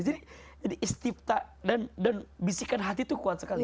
jadi istiftah dan bisikan hati tuh kuat sekali